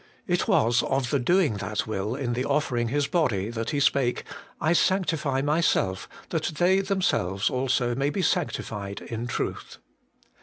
It was of the doing that will in the offering His body that He spake, ' I sanctify myself, that they themselves also may be sanctified in truth.'